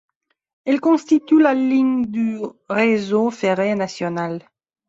Elle constitue la ligne du Réseau ferré national.